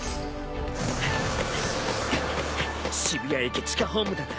渋谷駅地下ホームだな。